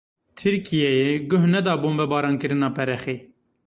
Tirkiyeyê guh neda bombebarankirina Perexê.